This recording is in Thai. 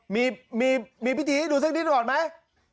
มีมีมีพิธีดูซักนิดก่อนไหม